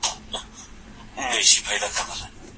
شب ګیرو راته سرې کړي ستا له لاسه